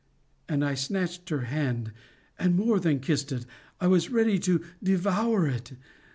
And I snatched her hand; and, more than kissed it, I was ready to devour it.